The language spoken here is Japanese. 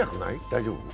大丈夫？